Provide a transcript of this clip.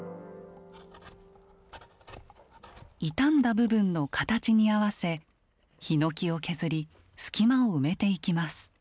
傷んだ部分の形に合わせヒノキを削り隙間を埋めていきます。